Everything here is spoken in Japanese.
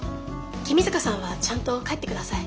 君塚さんはちゃんと帰って下さい。